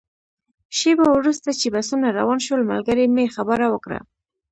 شېبه وروسته چې بسونه روان شول، ملګري مې خبره وکړه.